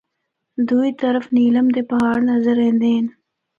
دوئی طرف نیلم دے پہاڑ نظر ایندے ہن۔